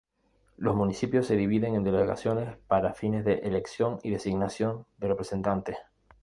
Los municipios se dividen en delegaciones para fines de elección o designación de representantes...